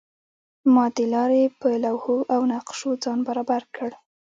ما د لارې په لوحو او نقشو ځان برابر کړ.